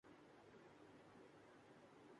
اب کے برس بہار کی‘ رُت بھی تھی اِنتظار کی